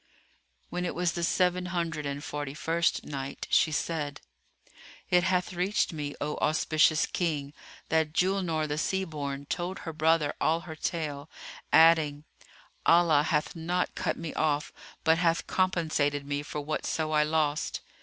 When it was the Seven Hundred and Forty first Night, She said, It hath reached me, O auspicious King, that Julnar the Sea born told her brother all her tale, adding "Allah hath not cut me off, but hath compensated me for whatso I lost.